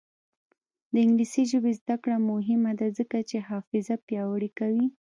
د انګلیسي ژبې زده کړه مهمه ده ځکه چې حافظه پیاوړې کوي.